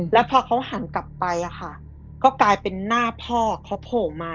แล้วพอเขาหันกลับไปก็กลายเป็นหน้าพ่อเขาโผล่มา